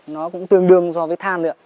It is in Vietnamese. nó cũng tương đương so với than